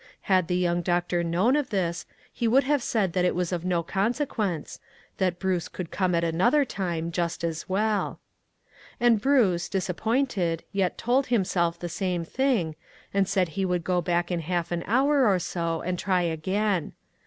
Had the young doctor known of this, he would have said that it was of no consequence, that Bruce could come at another time just as well. And Bruce, disappointed, yet told him self the same thing, and said he would go back in half an hour or so and try again.